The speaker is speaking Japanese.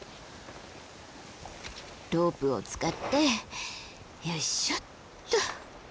ロープを使ってよいしょっと。